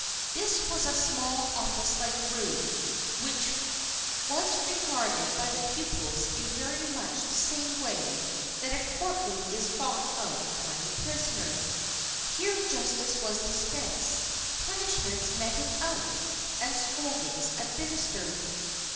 This was a small office like room which was re garded by the pupils in very much the same way that a court room is thought of by a prisoner. Here justice was dispensed, punishments meted out and scoldings administered.